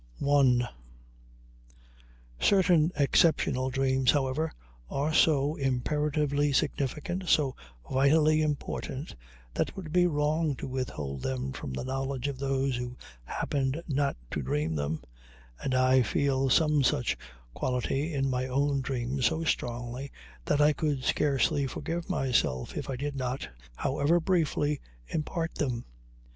I Certain exceptional dreams, however, are so imperatively significant, so vitally important, that it would be wrong to withhold them from the knowledge of those who happened not to dream them, and I feel some such quality in my own dreams so strongly that I could scarcely forgive myself if I did not, however briefly, impart them.